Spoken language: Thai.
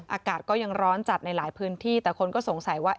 อากาศก็ยังร้อนจัดในหลายพื้นที่แต่คนก็สงสัยว่า